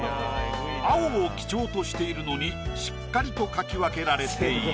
青を基調としているのにしっかりと描き分けられている。